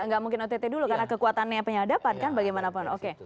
gak mungkin ott dulu karena kekuatannya penyelidikan dapat kan bagaimanapun